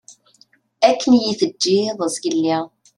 Akken iyi-teǧǧiḍ zgelli.